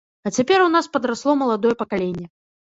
А цяпер у нас падрасло маладое пакаленне.